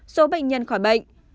số bệnh nhân khỏi bệnh